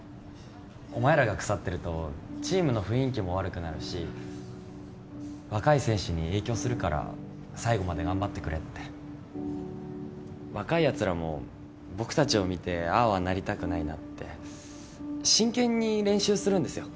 お前らが腐ってるとチームの雰囲気も悪くなるし若い選手に影響するから最後まで頑張ってくれって若いやつらも僕達を見てああはなりたくないなって真剣に練習するんですよ